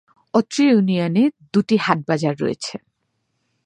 অত্র ইউনিয়নে দুটি হাট-বাজার রয়েছে।